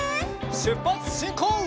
しゅっぱつしんこう！